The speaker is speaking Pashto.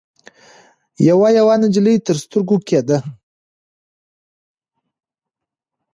يوه يوه نجلۍ تر سترګو کېده.